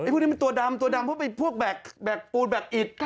พวกนี้มันตัวดำตัวดำพวกแบกปูดแบกอิด